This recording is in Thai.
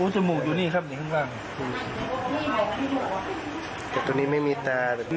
จมูกอยู่นี่ครับอยู่ข้างล่างแต่ตัวนี้ไม่มีตา